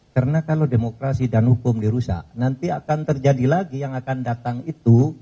karena kalau demokrasi dan hukum dirusak nanti akan terjadi lagi yang akan datang itu